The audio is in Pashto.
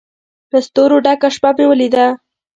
له ستورو ډکه شپه مې ولیده